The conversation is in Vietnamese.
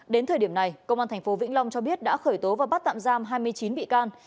đến thời điểm này công an tp vĩnh long cho biết đã khởi tố và bắt tạm giam hai mươi chín bị can